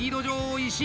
石井。